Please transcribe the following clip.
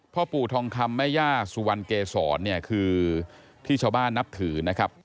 พ่อปู่ทองคำแม่ย่าสุวรรณเกษรเนี่ยคือที่ชาวบ้านนับถือนะครับ